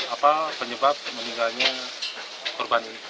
apa penyebab meninggalnya korban ini